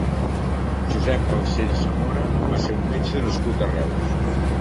Josep Balsells Samora va ser un metge nascut a Reus.